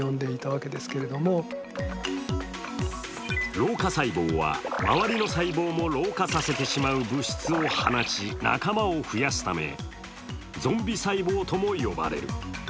老化細胞は、周りの細胞も老化させてしまう物質を放ち、仲間を増やすため、ゾンビ細胞とも呼ばれる。